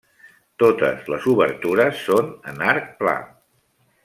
Totes les obertures són en arc pla.